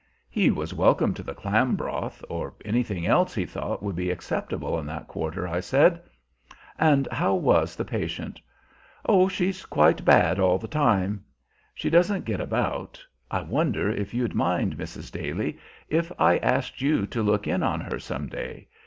He was welcome to the clam broth, or anything else he thought would be acceptable in that quarter, I said. And how was the patient? "Oh, she's quite bad all the time. She doesn't get about. I wonder if you'd mind, Mrs. Daly, if I asked you to look in on her some day?